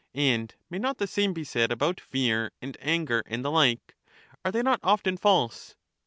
And may not the same be said about fear and anger and the like ; are they not often false